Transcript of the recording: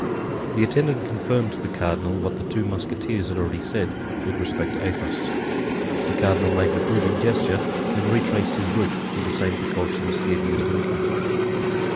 The attendant confirmed to the cardinal what the two Musketeers had already said with respect to Athos. The cardinal made an approving gesture, and retraced his route with the same precautions he had used in coming.